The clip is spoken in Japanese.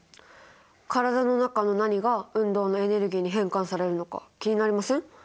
体の中の何が運動のエネルギーに変換されるのか気になりません？